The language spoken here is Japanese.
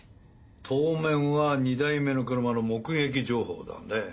当面は２台目の車の目撃情報だね。